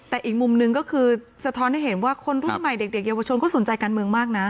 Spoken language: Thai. แต่อีกมุมหนึ่งก็คือสะท้อนให้เห็นว่าคนรุ่นใหม่เด็กเยาวชนเขาสนใจการเมืองมากนะ